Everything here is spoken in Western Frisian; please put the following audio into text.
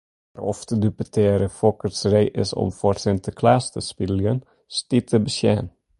Mar oft deputearre Folkerts ree is om foar Sinteklaas te spyljen, stiet te besjen.